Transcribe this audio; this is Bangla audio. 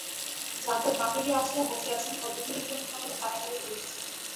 যাদব বাহিরে আসিয়া বসিয়াছেন, পদধূলির জন্য সকলে কাড়াকড়ি করিতেছে।